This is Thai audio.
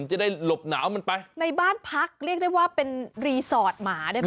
จะได้หลบหนาวมันไปในบ้านพักเรียกได้ว่าเป็นรีสอร์ทหมาได้ไหม